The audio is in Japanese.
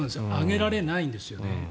上げられないんですよね。